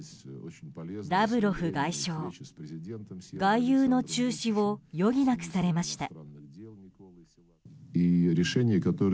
ラブロフ外相、外遊の中止を余儀なくされました。